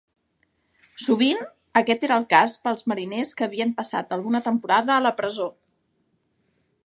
Sovint, aquest era el cas per als mariners que havien passat alguna temporada a la presó.